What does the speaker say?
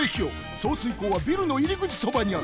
送水口はビルのいりぐちそばにある。